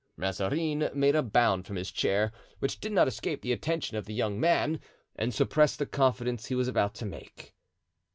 Mazarin made a bound from his chair, which did not escape the attention of the young man and suppressed the confidence he was about to make.